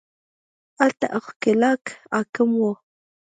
هلته ښکېلاک حاکم وو